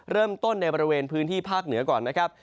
เริ่มต้นในบริเวณพื้นที่ภาคเหนือก่อนนะครับ